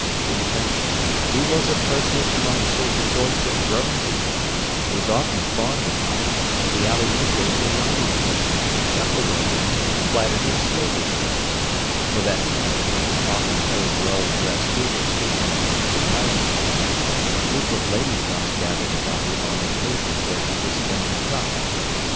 In fact, he was a personage among certain sorts of grown people, and was often fawned upon; the alley negroes delighted in him, chuckled over him, flattered him slavishly. For that matter, he often heard well dressed people speaking of him admiringly: a group of ladies once gathered about him on the pavement where he was spinning a top.